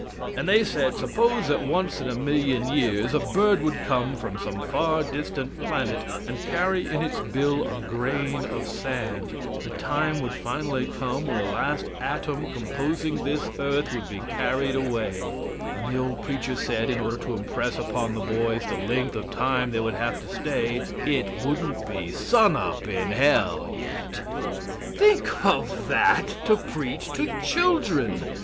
And they said, "Suppose that once in a million years a bird would come from some far distant planet, and carry in its bill a grain of sand, the time would finally come when the last atom composing this earth would be carried away;" and the old preacher said, in order to impress upon the boys the length of time they would have to stay, "it wouldn't be sun up in hell yet." Think of that to preach to children!